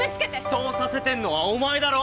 そうさせてるのはお前だろ！